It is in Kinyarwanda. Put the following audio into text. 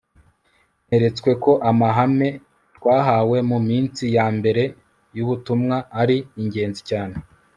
neretswe ko amahame twahawe mu minsi ya mbere y'ubutumwa ari ingenzi cyane